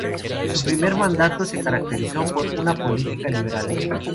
Su primer mandato se caracterizó por una política liberal.